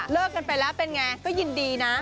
กันไปแล้วเป็นไงก็ยินดีนะ